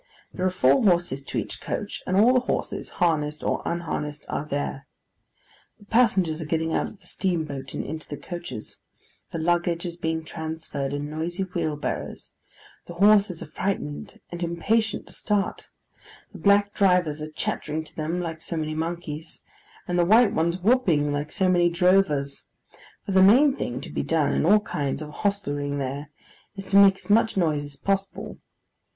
There are four horses to each coach, and all the horses, harnessed or unharnessed, are there. The passengers are getting out of the steamboat, and into the coaches; the luggage is being transferred in noisy wheelbarrows; the horses are frightened, and impatient to start; the black drivers are chattering to them like so many monkeys; and the white ones whooping like so many drovers: for the main thing to be done in all kinds of hostlering here, is to make as much noise as possible.